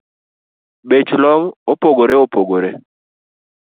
Bech long’ opogore opogore